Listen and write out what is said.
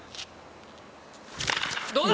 どうだ？